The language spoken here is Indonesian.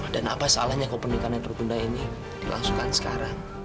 dan apa salahnya kalau pernikahan yang terbunda ini dilangsungkan sekarang